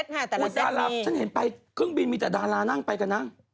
ฉันเห็นไปเครื่องบินมีแต่ดารานั่งไปกับนั่ง